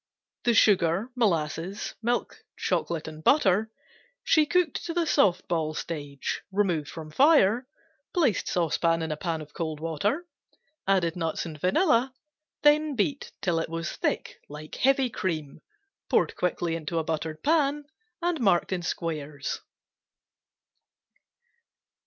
The sugar, molasses, milk, chocolate and butter she cooked to the soft ball stage, removed from fire, placed saucepan in a pan of cold water, added nuts and vanilla, then beat till it was thick like heavy cream, poured quickly into buttered pan and marked in squares.